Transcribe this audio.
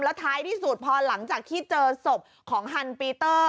ท้ายที่สุดพอหลังจากที่เจอศพของฮันปีเตอร์